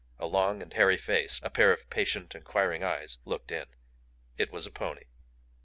A long and hairy face, a pair of patient, inquiring eyes looked in. It was a pony.